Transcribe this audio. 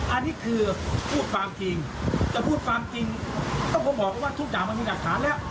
อันนี้คือพูดความจริงแต่พูดความจริงก็คงบอกว่าทุกอย่างมันมีหลักฐานแล้ว